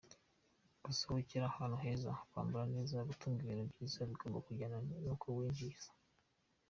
Gusohokera ahantu heza, kwambara neza, gutunga ibintu byiza, bigomba kujyana n’uko winjiza.